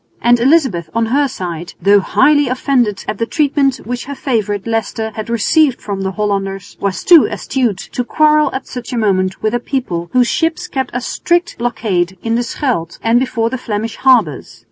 And Elizabeth on her side, though highly offended at the treatment which her favourite, Leicester, had received from the Hollanders, was too astute to quarrel at such a moment with a people whose ships kept a strict blockade in the Scheldt and before the Flemish harbours.